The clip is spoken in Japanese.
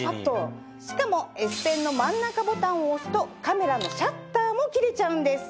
しかもＳペンの真ん中ボタンを押すとカメラのシャッターも切れちゃうんです。